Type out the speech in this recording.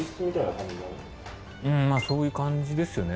そういう感じですよね